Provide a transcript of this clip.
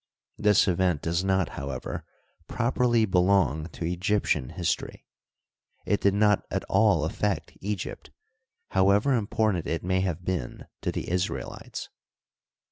This event does not, however, properly belong to Eg^^ptian history. It did not at all affect Egypt, however important it may have been to the Israelites.